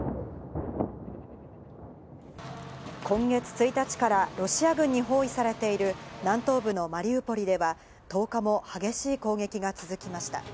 今月１日からロシア軍に包囲されている南東部のマリウポリでは１０日も激しい攻撃が続きました。